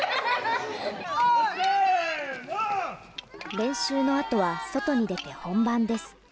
練習のあとは外に出て本番です。